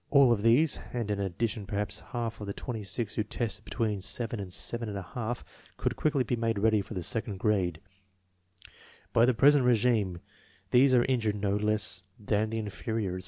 All of these, and in addition perhaps half of the 26 who tested between 7 and 7J, could quickly be made ready for the second grade. By the present regime these are injured no less than the inferiors.